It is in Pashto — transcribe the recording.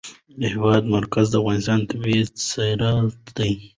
د هېواد مرکز د افغانستان طبعي ثروت دی.